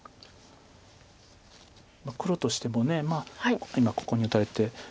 黒としても今ここに打たれて。